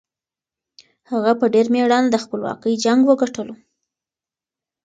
هغه په ډېر مېړانه د خپلواکۍ جنګ وګټلو.